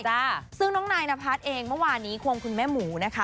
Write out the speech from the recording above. ซึ่งน้องนายนพัฒน์เองเมื่อวานนี้ควงคุณแม่หมูนะคะ